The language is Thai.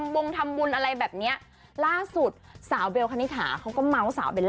แบบในเดี่ยวของ้ะ